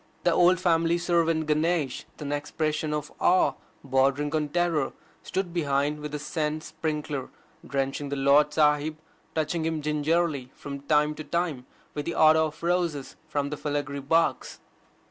The old family servant Ganesh, with an expression of awe bordering on terror, stood behind with the scent sprinkler, drenching the Lord Sahib, touching him gingerly from time to time with the otto of roses from the filigree box.